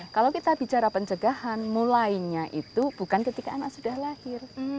kalau kita bicara pencegahan mulainya itu bukan ketika anak sudah lahir